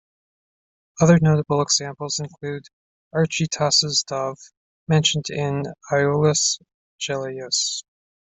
Other notable examples include Archytas's dove, mentioned by Aulus Gellius.